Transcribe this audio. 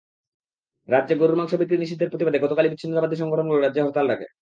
রাজ্যে গরুর মাংস বিক্রি নিষিদ্ধের প্রতিবাদে গতকালই বিচ্ছিন্নতাবাদী সংগঠনগুলো রাজ্যে হরতাল ডাকে।